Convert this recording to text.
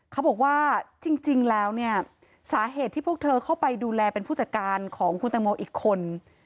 เขาบอกว่าจริงแล้วเนี่ยสาเหตุที่พวกเธอเข้าไปดูแลเป็นผู้จัดการของคุณตังโมอีกคน